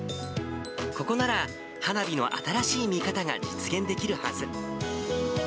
ここなら花火の新しい見方が実現できるはず。